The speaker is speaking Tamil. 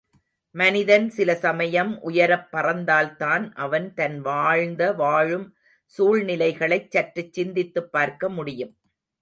மனிதன் சில சமயம் உயரப் பறந்தால்தான் அவன் தன் வாழ்ந்த வாழும் சூழ்நிலைகளைச் சற்றுச் சிந்தித்துப் பார்க்க முடியும்.